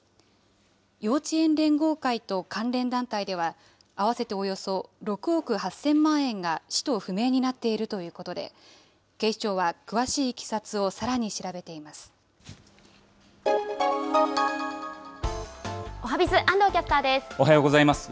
幼稚園連合会と関連団体では、合わせておよそ６億８０００万円が使途不明になっているということで、警視庁は詳しいいきさつをさらに調べています。